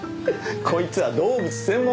こいつは動物専門。